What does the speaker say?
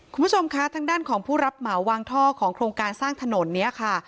คุณผู้ชมคะทางด้านของผู้รับเหมาวางท่อของโครงการสร้างถนนเนี่ยค่ะ